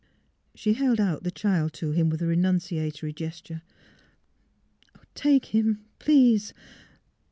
... She held out the child to him with a renunciatory gesture. " Take him, please.